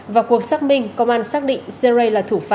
vào cuộc xác minh công an xác định sê rê là thủ phạm